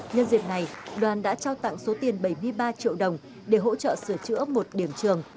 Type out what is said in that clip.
nhân dịp này đoàn đã trao tặng số tiền bảy mươi ba triệu đồng để hỗ trợ sửa chữa một điểm trường